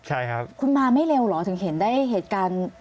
ใช่ครับคุณมาไม่เร็วเหรอถึงเห็นได้เหตุการณ์